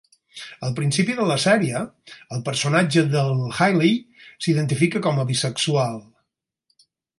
Al principi de la sèrie, el personatge del Hailey s'identifica com a bisexual.